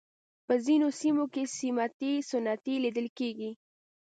په ځینو سیمو کې سیمټي ستنې لیدل کېږي.